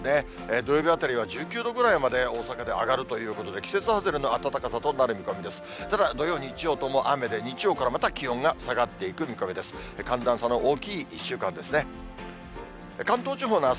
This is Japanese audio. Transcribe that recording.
土曜日あたりは１９度ぐらいまで、大阪で上がるということで、季節外れの暖かさとなる見込みです。